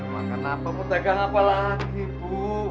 mau makan apa mau dagang apa lagi bu